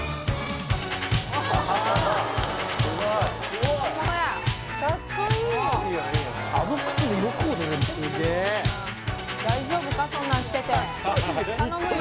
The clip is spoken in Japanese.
すごい本物や・カッコイイあの靴でよく踊れるすげえ大丈夫かそんなんしてて頼むよ